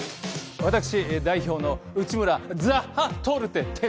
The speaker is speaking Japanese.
私代表の内村・ザッハトルテ・光良です。